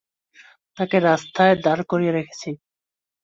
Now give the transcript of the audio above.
তাকে রাস্তায় দাঁড় করিয়ে রেখেছি।